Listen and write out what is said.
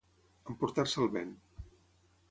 Emportar-se el vent.